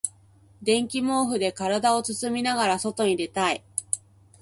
電気毛布で体を包みながら外に出たい。